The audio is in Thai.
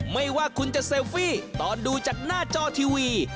ไม่ว่าคุณจะเซลฟี่ตอนดูจากหน้าจอทีวี